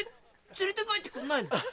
連れて帰ってくんないの？